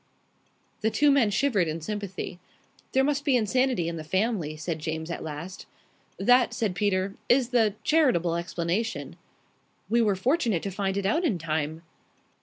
The two men shivered in sympathy. "There must be insanity in the family," said James at last. "That," said Peter, "is the charitable explanation." "We were fortunate to find it out in time."